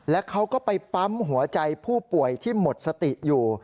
และเขาก็ไปปั๊มหัวใจผู้ป่วยที่หมดสติอยู่